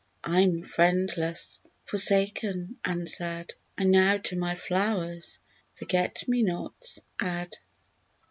I'm friendless, Forsaken and sad, I now to my flowers "Forget me nots" add.